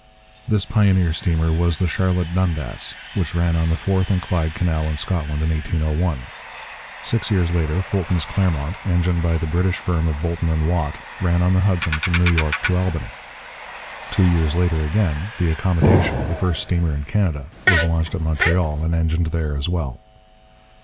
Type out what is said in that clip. This pioneer steamer was the Charlotte Dundas, which ran on the Forth and Clyde Canal in Scotland in 1801. Six years later Fulton's Clermont, engined by the British firm of Boulton and Watt, ran on the Hudson from New York to Albany. Two years later again the Accommodation, the first steamer in Canada, was launched at Montreal, and engined there as well.